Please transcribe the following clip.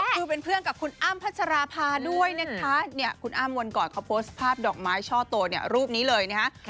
ก็คือเป็นเพื่อนกับคุณอ้ำพัชรภาด้วยคุณอ้ำอ้วกอดเขาโพสภาพดอกไม้ช่อโตรูปนี้เลย